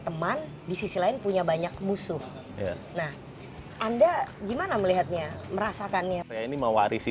teman di sisi lain punya banyak musuh nah anda gimana melihatnya merasakannya ini mewarisi